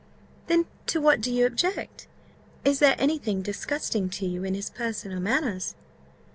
"Then to what do you object? Is there any thing disgusting to you in his person or manners?"